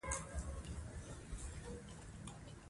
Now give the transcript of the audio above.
ازادي راډیو د د ښځو حقونه د اغیزو په اړه مقالو لیکلي.